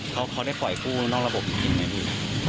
เขาได้ปล่อยกู้นอกระบบมีไหม